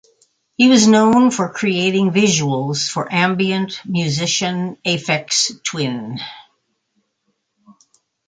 He was known for creating visuals for ambient musician Aphex Twin.